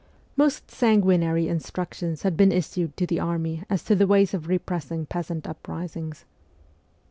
Most sanguinary instructions had been issued to the army as to the ways of repressing peasant uprisings.